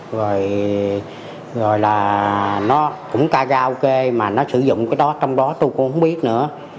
rồi là nó cũng cao kê mà nó sử dụng cái đó trong đó tôi cũng không biết nữa